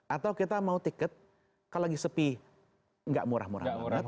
atau kita mau tiket kalau lagi sepi gak murah murah banget